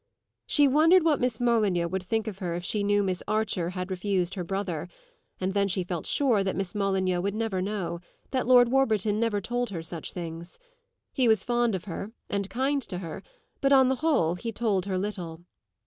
She wondered what Miss Molyneux would think of her if she knew Miss Archer had refused her brother; and then she felt sure that Miss Molyneux would never know that Lord Warburton never told her such things. He was fond of her and kind to her, but on the whole he told her little.